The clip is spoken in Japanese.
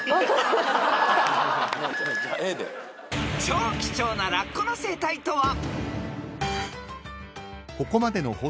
［超貴重なラッコの生態とは］